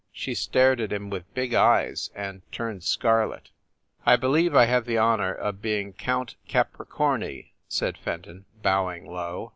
She stared at him with big eyes, and turned scarlet. "I believe I have the honor of being Count Capri corni," said Fenton, bowing low.